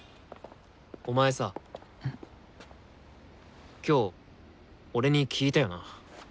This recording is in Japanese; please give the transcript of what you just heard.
お前さ今日俺に聞いたよな。